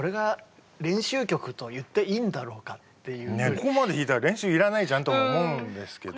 ここまで弾いたら練習いらないじゃんとも思うんですけど。